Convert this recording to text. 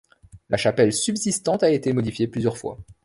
La chapelle subsistante a été modifiée plusieurs fois.